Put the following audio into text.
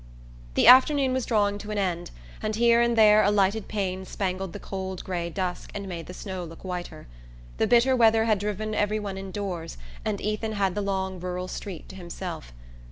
The afternoon was drawing to an end, and here and there a lighted pane spangled the cold gray dusk and made the snow look whiter. The bitter weather had driven every one indoors and Ethan had the long rural street to himself.